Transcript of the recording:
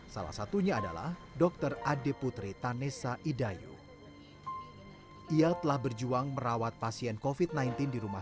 salah satunya adalah dokter ade putri tanesa idayu ia telah berjuang merawat pasien kofit sembilan belas di rumah